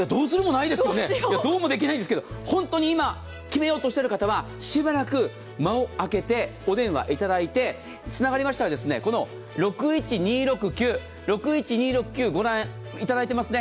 いや、どうもできないですけど今、決めようとしている方はしばらく間を開けてお電話いただいて、つながりましたら、この６１２６９をご覧いただいていますね。